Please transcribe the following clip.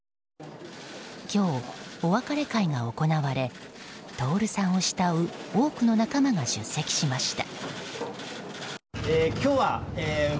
今日、お別れ会が行われ徹さんを慕う多くの仲間が出席しました。